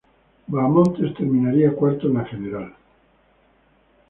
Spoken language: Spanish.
Bahamontes terminaría cuarto en la general.